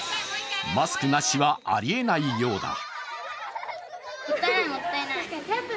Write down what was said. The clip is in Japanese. マスクなしはありえないようだ。